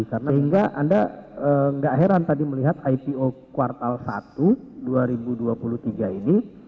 sehingga anda nggak heran tadi melihat ipo kuartal satu dua ribu dua puluh tiga ini